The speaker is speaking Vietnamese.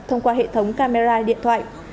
thông qua hệ thống camera điện thoại